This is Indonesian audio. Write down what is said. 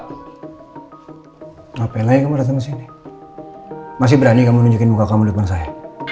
kenapa lagi kamu datang ke sini masih berani kamu nunjukin muka kamu di depan saya